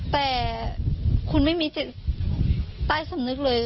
แต่คุณไม่มีจิตใต้สำนึกเลย